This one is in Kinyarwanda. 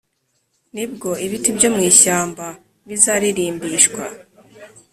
Ni bwo ibiti byo mu ishyamba bizaririmbishwa